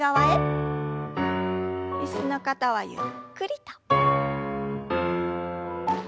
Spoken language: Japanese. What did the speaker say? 椅子の方はゆっくりと。